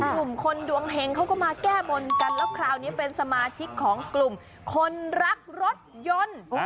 หนุ่มคนดวงเห็งเขาก็มาแก้บนกันแล้วคราวนี้เป็นสมาชิกของกลุ่มคนรักรถยนต์